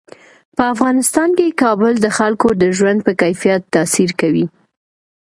په افغانستان کې کابل د خلکو د ژوند په کیفیت تاثیر کوي.